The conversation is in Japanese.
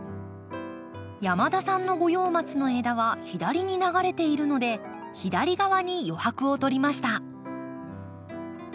山田さんのゴヨウマツの枝は左に流れているので左側に余白を取りました。